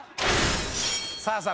さあさあ